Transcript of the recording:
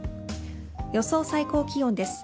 予想最高気温です。